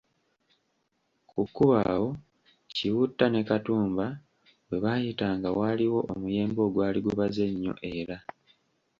Ku kkubo awo Kiwutta ne Katumba we baayitanga waaliwo omuyembe ogwali gubaze ennyo era